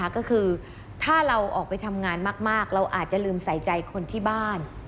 ก็คือถ้าเราออกไปทำงานมากเราอาจจะลืมใส่ใจคนที่บ้าน